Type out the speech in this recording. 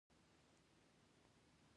ایا لکړه کاروئ؟